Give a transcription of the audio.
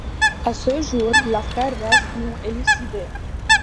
À ce jour, l'affaire reste non élucidée.